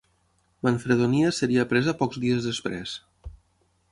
Manfredonia seria presa pocs dies després.